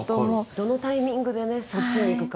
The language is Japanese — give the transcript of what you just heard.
どのタイミングでそっちにいくか。